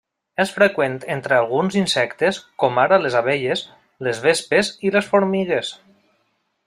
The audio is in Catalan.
És freqüent entre alguns insectes, com ara les abelles, les vespes i les formigues.